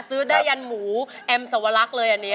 ซื้อได้ยันหมูแอมสวรรคเลยอันนี้